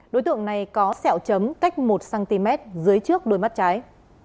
đối tượng này có sẹo chấm cách một cm dưới trước đôi mắt trái